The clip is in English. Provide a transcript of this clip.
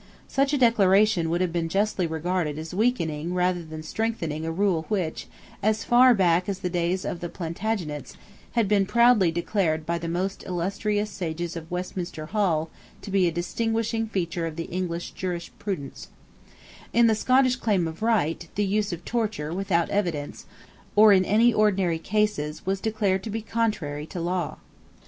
Such a declaration would have been justly regarded as weakening rather than strengthening a rule which, as far back as the days of the Plantagenets, had been proudly declared by the most illustrious sages of Westminster Hall to be a distinguishing feature of the English jurisprudence, In the Scottish Claim of Right, the use of torture, without evidence, or in ordinary cases, was declared to be contrary to law.